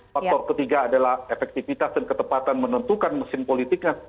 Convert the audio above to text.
faktor ketiga adalah efektivitas dan ketepatan menentukan mesin politiknya